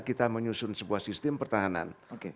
kita menyusun sebuah sistem pertahanan